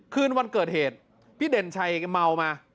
คืนวันเกิดเหตุพี่เด่นชัยเมามา